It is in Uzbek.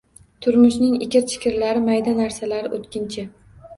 Turmushning ikir-chikirlari, mayda narsalari o‘tkinchi.